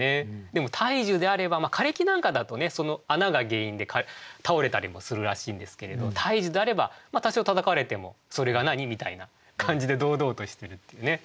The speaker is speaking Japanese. でも大樹であれば枯れ木なんかだとその穴が原因で倒れたりもするらしいんですけれど大樹であれば多少たたかれても「それが何？」みたいな感じで堂々としてるっていうね。